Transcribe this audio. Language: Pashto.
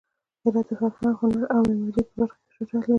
هرات د هنر، فرهنګ او معمارۍ په برخه کې شهرت لري.